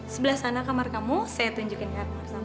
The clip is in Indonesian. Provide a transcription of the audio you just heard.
sebelah sana kamar kamu saya tunjukkan kamar kamu